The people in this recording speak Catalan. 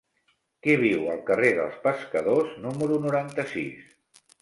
Qui viu al carrer dels Pescadors número noranta-sis?